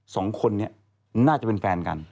สองคนนี้น่าจะเป็นแฟนกัน